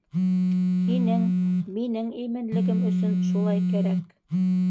Һинең, минең именлегем өсөн шулай кәрәк.